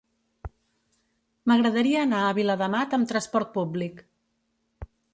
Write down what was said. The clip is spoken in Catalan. M'agradaria anar a Viladamat amb trasport públic.